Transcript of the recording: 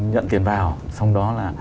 nhận tiền vào xong đó là